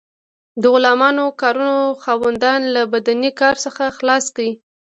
د غلامانو کارونو خاوندان له بدني کار څخه خلاص کړل.